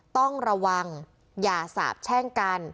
ต้องระวังอย่าสาบแช่งกัน